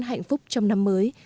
hạnh phúc trong năm mới